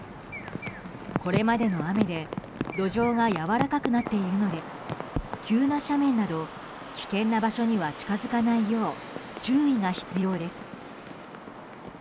これまでの雨で土壌がやわらかくなっているので急な斜面など危険な場所には近づかないよう注意が必要です。